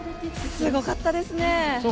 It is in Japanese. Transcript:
すごかったですね。